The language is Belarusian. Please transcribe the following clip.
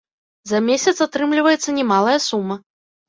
За месяц атрымліваецца немалая сума.